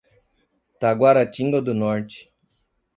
Taquaritinga do Norte